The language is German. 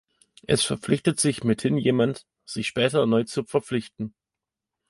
Es verpflichtet sich mithin jemand, sich später erneut zu verpflichten.